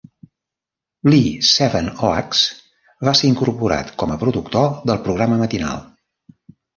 Lee Sevenoaks va ser incorporat com a productor del programa matinal.